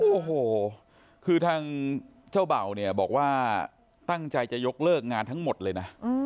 โอ้โหคือทางเจ้าเบ่าเนี่ยบอกว่าตั้งใจจะยกเลิกงานทั้งหมดเลยนะ